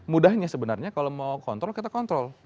mudahnya sebenarnya kalau mau kontrol kita kontrol